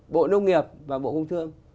bộ nông nghiệp và bộ công thương